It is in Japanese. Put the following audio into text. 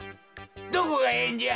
どこがええんじゃ！